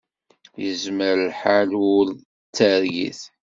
Yezmer lḥal ur d targit.